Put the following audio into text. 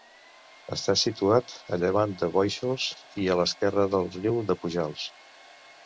Està situat a llevant de Bóixols i a l'esquerra del riu de Pujals.